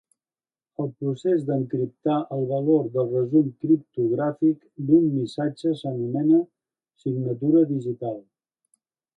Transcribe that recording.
El procés d'encriptar el valor de resum criptogràfic d'un missatge s'anomena signatura digital.